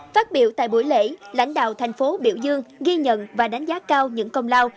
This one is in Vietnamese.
phát biểu tại buổi lễ lãnh đạo thành phố biểu dương ghi nhận và đánh giá cao những công lao